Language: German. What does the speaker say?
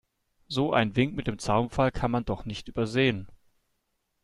So einen Wink mit dem Zaunpfahl kann man doch nicht übersehen.